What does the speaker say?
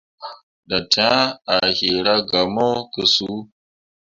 Dattǝǝre a yiira gah mo ke suu.